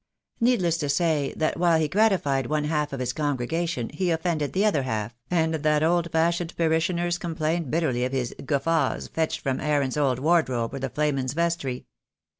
Need less to say, that while he gratified one half of his con gregation he offended the other half, and that old fashioned parishioners complained bitterly of his "gewgaws fetched from Aaron's old wardrobe or the flamen's vestry."